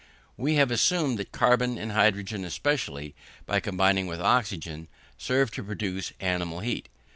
We have assumed that carbon and hydrogen especially, by combining with oxygen, serve to produce animal heat.